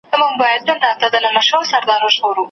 پرېږده چي لمبې پر نزله بلي کړي